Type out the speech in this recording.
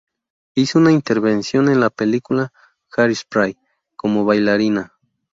Hizo una intervención en la película "Hairspray" como bailarina.